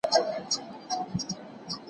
ایا تاسي ماشومانو ته د مهربانۍ کیسې کوئ؟